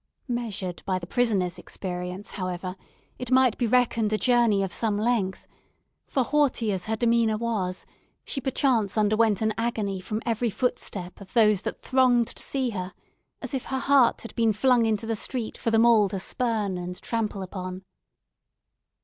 Measured by the prisoner's experience, however, it might be reckoned a journey of some length; for haughty as her demeanour was, she perchance underwent an agony from every footstep of those that thronged to see her, as if her heart had been flung into the street for them all to spurn and trample upon.